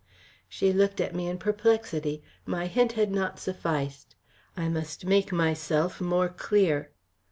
She looked at me in perplexity. My hint had not sufficed. I must make myself more clear.